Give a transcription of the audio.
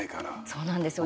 そうなんですよ。